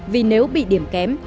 vì nếu bị điểm kém